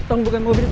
anin masih disini